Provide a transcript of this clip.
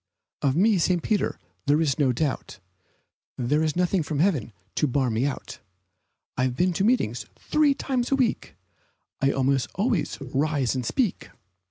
Of me, St. Peter, there is no doubt There is nothing from heaven to bar me out; I have been to meetings three times a week, And almost always I'd rise and speak.